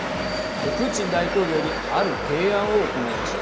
プーチン大統領にある提案を行いました。